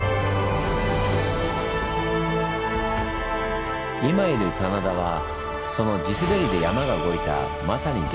今いる棚田はその地すべりで山が動いたまさに現場なんです。